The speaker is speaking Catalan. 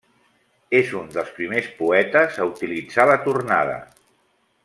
És un dels primers poetes a utilitzar la tornada.